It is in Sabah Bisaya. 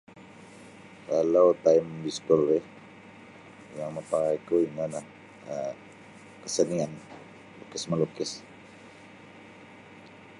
Kalau taim biskul ri yang mapakai ku ino nio um kesenian lukis melukis.